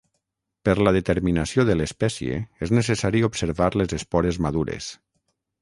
Per la determinació de l'espècie és necessari observar les espores madures.